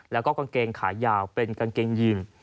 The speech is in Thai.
แล้วก็กางเกงขายาวเป็นกางเกงยีน